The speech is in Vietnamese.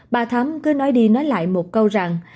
bà thắm cứ nói đi nói lại một câu rằng